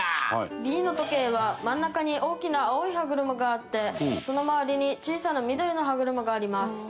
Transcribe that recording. Ｂの時計は真ん中に大きな青い歯車があってその周りに小さな緑の歯車があります。